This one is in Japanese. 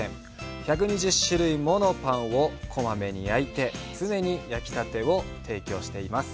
１２０種類ものパンを小まめに焼いて、常に焼きたてを提供しています。